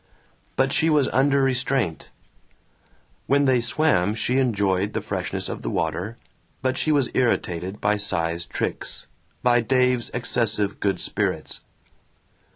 But she was under restraint. When they swam she enjoyed the freshness of the water but she was irritated by Cy's tricks, by Dave's excessive good spirits.